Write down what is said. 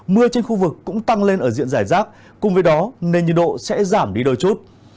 mưa trên khu vực cũng tăng lên ở diện giải rác cùng với đó nền nhiệt độ sẽ giảm đi đôi chút